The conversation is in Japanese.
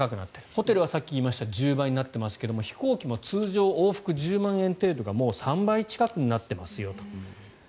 ホテルはさっき言いました１０倍になっていますが飛行機も通常往復１０倍程度がもう３倍近くになっていますよと。